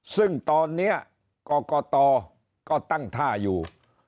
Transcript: ซึ่งตอนนี้กรกตก็ตั้งท่าอยู่